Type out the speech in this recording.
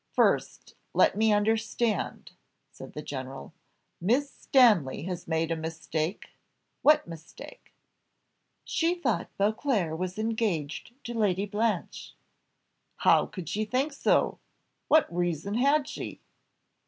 "First let me understand," said the general. "Miss Stanley has made a mistake what mistake?" "She thought Beauclerc was engaged to Lady Blanche." "How could she think so? What reason had she?"